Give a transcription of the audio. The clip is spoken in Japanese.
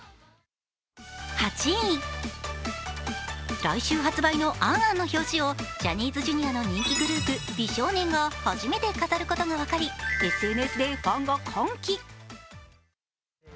８位、来週発売の「ａｎ・ａｎ」の表紙をジャニーズの人気グループ、美少年が初めて飾ることが分かりＳＮＳでファンが歓喜。